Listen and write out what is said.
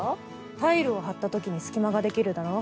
タイルを張ったときに隙間が出来るだろ？